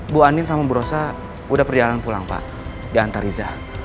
bu andin sama bu rosa udah perjalan pulang pak di antariza